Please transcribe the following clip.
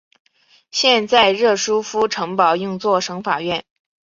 现在热舒夫城堡用作省法院。